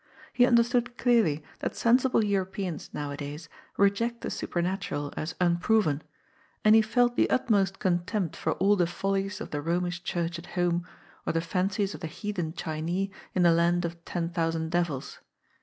He understood clearly that sensible Europeans nowadays reject the super natural as unproven, and he felt the utmost contempt for all the follies of the Romish Church at home or the fancies of the heathen Chinee in the land of ten thousand devils.